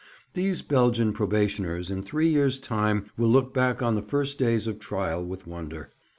These Belgian probationers in three years' time will look back on the first days of trial with wonder.'